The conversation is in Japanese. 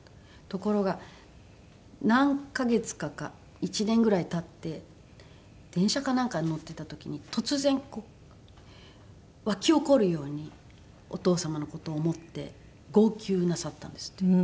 ところが何カ月か１年ぐらい経って電車かなんかに乗ってた時に突然湧き起こるようにお父様の事を思って号泣なさったんですって。